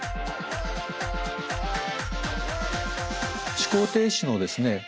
思考停止のですね